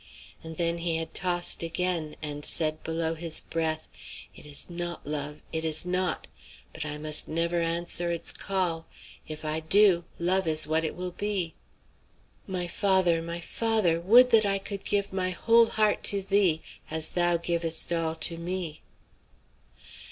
And then he had tossed again, and said below his breath, "It is not love: it is not. But I must never answer its call; if I do, love is what it will be. My father, my father! would that I could give my whole heart to thee as thou givest all to me!"